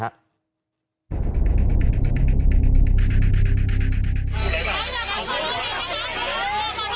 ไอ้เว้ย